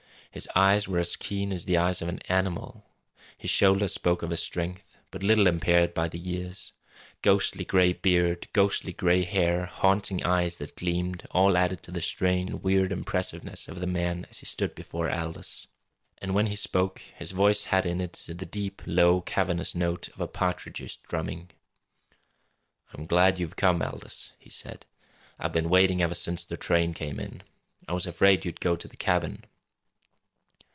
His eyes were as keen as the eyes of an animal. His shoulders spoke of a strength but little impaired by the years. Ghostly gray beard, ghostly gray hair, haunting eyes that gleamed, all added to the strange and weird impressiveness of the man as he stood before Aldous. And when he spoke, his voice had in it the deep, low, cavernous note of a partridge's drumming. "I'm glad you've come, Aldous," he said. "I've been waiting ever since the train come in. I was afraid you'd go to the cabin!"